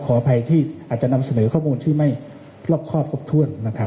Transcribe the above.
ขออภัยที่อาจจะนำเสนอข้อมูลที่ไม่รอบครอบครบถ้วนนะครับ